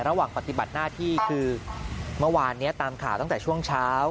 ระหว่างปฏิบัติหน้าที่คือเมื่อวานนี้ตามข่าวตั้งแต่ช่วงเช้า